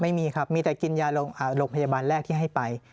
ไม่มีครับมีแต่กินยาโรงพยาบาลแรกที่ให้ไป